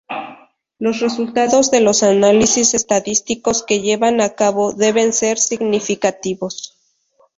Los resultados de los análisis estadísticos que llevan a cabo deben ser significativos.